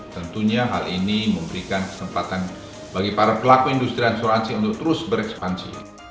tentunya hal ini memberikan kesempatan bagi para pelaku industri asuransi untuk terus berekspansi